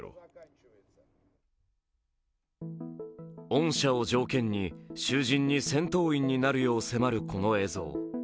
恩赦を条件に囚人に戦闘員になるよう迫るこの映像。